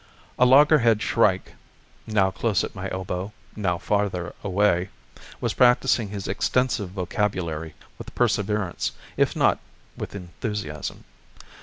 A loggerhead shrike now close at my elbow, now farther away was practicing his extensive vocabulary with perseverance, if not with enthusiasm.